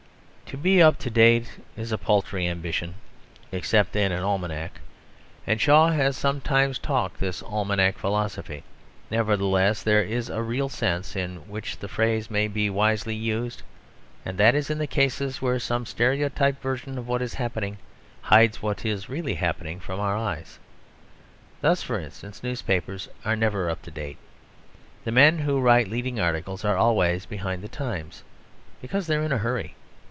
To be up to date is a paltry ambition except in an almanac, and Shaw has sometimes talked this almanac philosophy. Nevertheless there is a real sense in which the phrase may be wisely used, and that is in cases where some stereotyped version of what is happening hides what is really happening from our eyes. Thus, for instance, newspapers are never up to date. The men who write leading articles are always behind the times, because they are in a hurry.